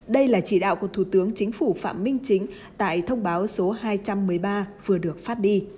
đây là chỉ đạo của thủ tướng chính phủ phạm minh chính tại thông báo số hai trăm một mươi ba vừa được phát đi